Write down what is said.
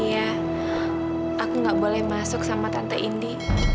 iya aku nggak boleh masuk sama tante indi